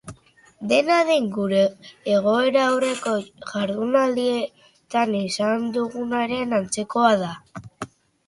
Dena den, gure egoera aurreko jarduenaldietan izan dugunaren antzekoa da.